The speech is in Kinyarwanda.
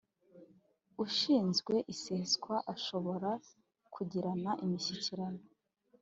ushinzwe iseswa ashobora kugirana imishyikirano